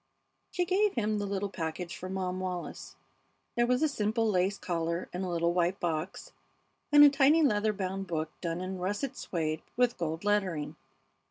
She gave him the little package for Mom Wallis. There was a simple lace collar in a little white box, and a tiny leather bound book done in russet suède with gold lettering.